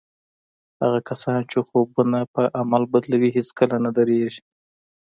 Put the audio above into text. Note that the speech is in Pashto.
هغه کسان چې خوبونه پر عمل بدلوي هېڅکله نه درېږي.